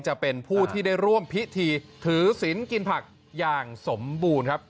จะเป็นผู้ที่ได้ร่วมพิธีถือศิลป์กินผักอย่างสมบูรณ์ครับ